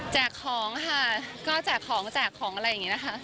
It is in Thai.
แจกของค่ะก็แจกของแจกของอะไรแบบนี้นะคะ